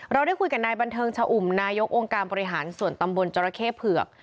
ได้คุยกับนายบันเทิงชะอุ่มนายกองค์การบริหารส่วนตำบลจราเข้เผือก